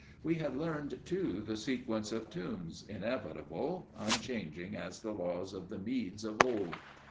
We had learned, too, the sequence of tunes, inevitable, unchanging as the laws of the Medes of old.